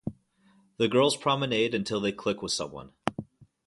The girls promenade until they click with someone.